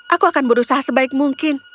aku akan berusaha sebaik mungkin